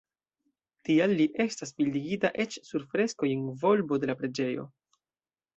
Tial li estas bildigita eĉ sur freskoj en volbo de la preĝejo.